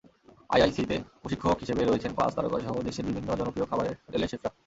আইআইসিইতে প্রশিক্ষক হিসেবে রয়েছেন পাঁচ তারকাসহ দেশের বিভিন্ন জনপ্রিয় খাবারের হোটেলের শেফরা।